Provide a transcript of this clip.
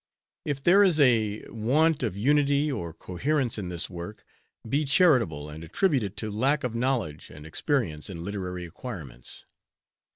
If there is a want of unity or coherence in this work, be charitable and attribute it to lack of knowledge and experience in literary acquirements.